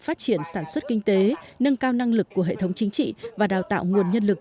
phát triển sản xuất kinh tế nâng cao năng lực của hệ thống chính trị và đào tạo nguồn nhân lực